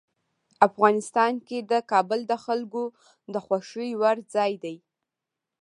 افغانستان کې کابل د خلکو د خوښې وړ ځای دی.